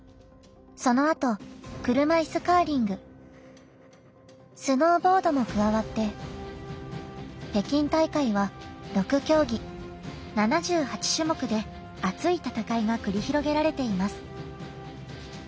そのあと、車いすカーリングスノーボードも加わって北京大会は６競技７８種目で熱い戦いが繰り広げられています。